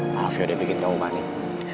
maaf ya dia bikin kamu panik